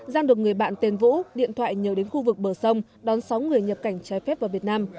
giang được người bạn tên vũ điện thoại nhờ đến khu vực bờ sông đón sáu người nhập cảnh trái phép vào việt nam